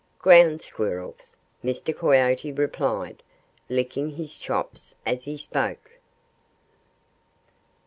"Ground Squirrels!" Mr. Coyote replied, licking his chops as he spoke.